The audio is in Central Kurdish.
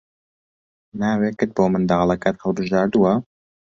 ناوێکت بۆ منداڵەکەت هەڵبژاردووە؟